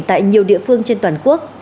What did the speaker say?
tại nhiều địa phương trên toàn quốc